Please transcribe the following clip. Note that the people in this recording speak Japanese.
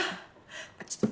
ちょっと。